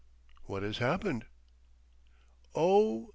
"What has happened?" "Oh!